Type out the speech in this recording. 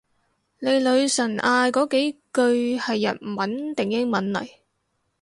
你女神嗌嗰幾句係日文定英文嚟？